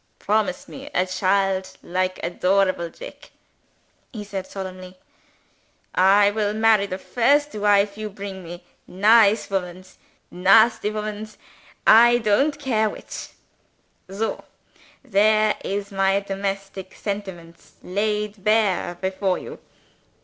"Promise me a child like adorable Jick," he said solemnly, "I will marry the first wife you bring me nice womans, nasty womans, I don't care which. Soh! there is my domestic sentiments laid bare before you.